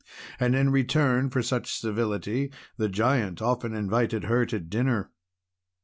And in return for such civility the Giant often invited her to dinner.